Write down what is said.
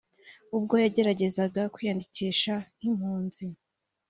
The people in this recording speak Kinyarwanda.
ubwo yageragezaga kwiyandikisha nk’impunzi